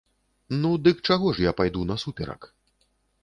Ну, дык чаго ж я пайду насуперак?!